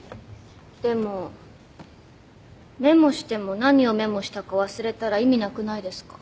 でもメモしても何をメモしたか忘れたら意味なくないですか？